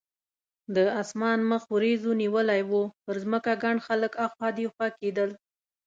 د اسمان مخ وریځو نیولی و، پر ځمکه ګڼ خلک اخوا دیخوا کېدل.